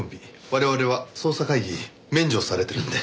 我々は捜査会議免除されてるんで。